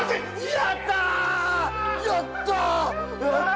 やった！